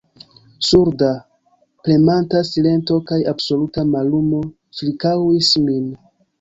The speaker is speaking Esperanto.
Surda, premanta silento kaj absoluta mallumo ĉirkaŭis min.